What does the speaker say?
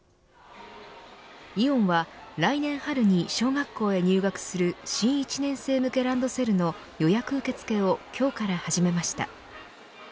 イオンは来年春に小学校へ入学する新１年生向けランドセルの予約受け付けを今日から始めました。